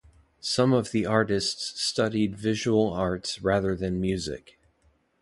Some of the artists studied visual arts rather than music.